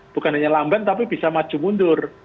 bukan hanya lamban tapi bisa maju mundur